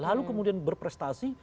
lalu kemudian berprestasi